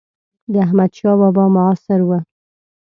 د احمدشاه بابا معاصر و.